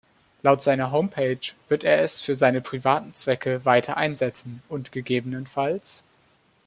Laut seiner Homepage wird er es für seine privaten Zwecke weiter einsetzen und ggf.